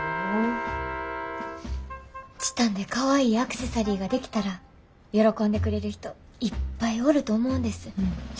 チタンでかわいいアクセサリーが出来たら喜んでくれる人いっぱいおると思うんです。